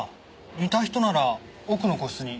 似た人なら奥の個室に。